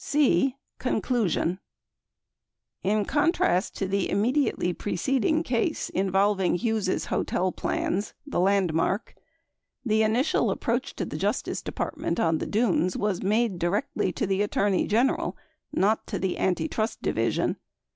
C. Conclusion In contrast to the immediately preceding case involving Hughes' hotel plans (the Landmark) , the initial approach to the Justice De partment on the Dunes was made directly to the Attorney General, not to the Antitrust Division.